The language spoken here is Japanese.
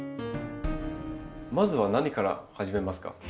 まずは何から始めますか？